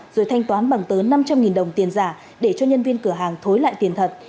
rồi thanh toán bằng tới năm trăm linh đồng tiền giả để cho nhân viên cửa hàng thối lại tiền thật